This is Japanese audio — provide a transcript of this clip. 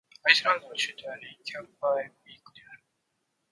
アイスランドの首都はレイキャヴィークである